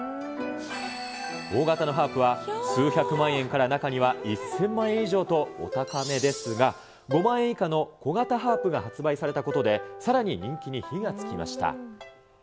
大型のハープは、数百万円から、中には１０００万円以上とお高めですが、５万円以下の小型ハープが発売されたことで、さらに人気に火がつきました。